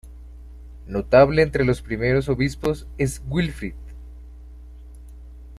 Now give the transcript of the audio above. Notable entre los primeros obispos es Wilfrid.